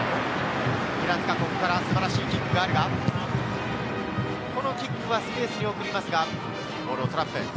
平塚、ここから素晴らしいキックがあるが、このキックはスペースに送りますが、ボールをトラップ。